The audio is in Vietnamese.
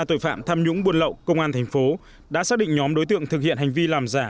tội phạm tham nhũng buôn lậu công an thành phố đã xác định nhóm đối tượng thực hiện hành vi làm giả